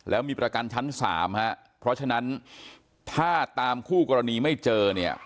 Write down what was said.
แล้วมีประกันชั้น๓ฮะเพราะฉะนั้นถ้าตามคู่กรณีไม่เจอเนี่ย